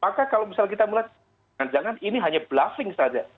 maka kalau misalnya kita melihat jangan jangan ini hanya bluffing saja